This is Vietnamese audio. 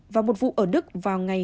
và một vụ bắt giữ khác ở đức